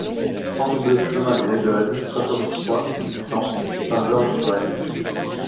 trente-deux chemin des Dagonnes, soixante-trois, huit cents, Saint-Georges-sur-Allier